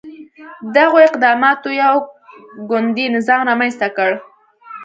دغو اقداماتو یو ګوندي نظام رامنځته کړ.